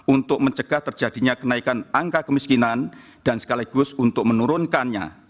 untuk mencegah terjadinya kenaikan angka kemiskinan dan sekaligus untuk menurunkannya